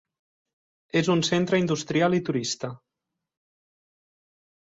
És un centre industrial i turista.